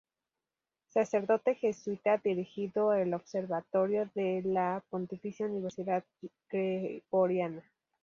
Sacerdote jesuita, dirigió el observatorio de la Pontificia Universidad Gregoriana.